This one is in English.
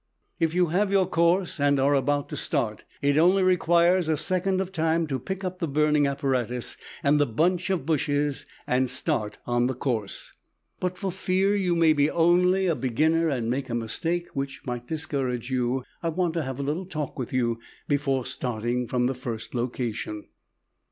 If you have your course and are about to start, it only requires a second of time to pick up the burning apparatus and the bunch of bushes and start on the course. But for fear you may be only a beginner and make a mistake which might discourage you, I want to have a little talk with you before starting from the first location.